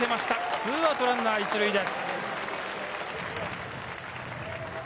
２アウトランナー１塁です。